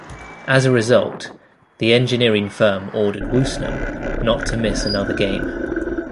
As a result, the engineering firm ordered Woosnam not to miss another game.